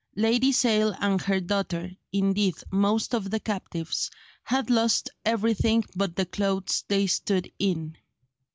Lady Sale and her daughter—indeed, most of the captives—had lost everything but the clothes they stood in.